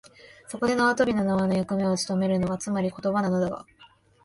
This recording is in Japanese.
そこで縄跳びの縄の役目をつとめるのが、つまり言葉なのだが、